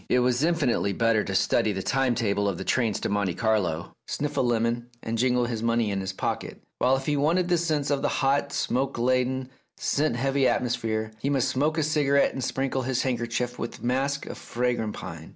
It was infinitely better to study the time table of the trains to Monte Carlo, sniff a lemon, and jingle his money 272 The Tragedy of Oliver Bowman in his pocket; while if he wanted the sense of the hot, smoke laden, scent heavy atmosphere, he must smoke a cigarette and sprinkle his handkerchief with musk or frangipane.